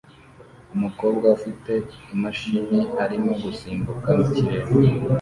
Umukobwa ufite imashini arimo gusimbuka mu kirere